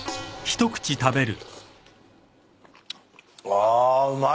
あうまい。